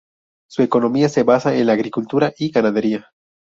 Su economía se basa en la agricultura y ganadería.